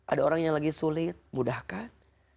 ada orang yang lagi sulit mudahkan